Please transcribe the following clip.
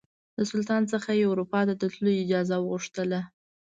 د سلطان څخه یې اروپا ته د تللو اجازه وغوښتله.